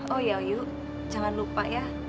oh iya ayu jangan lupa ya